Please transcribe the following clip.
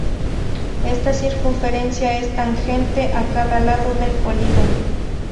Esta circunferencia es tangente a cada lado del polígono.